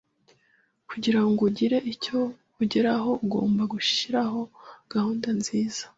Kugira ngo ugire icyo ugeraho, ugomba gushyiraho gahunda nziza.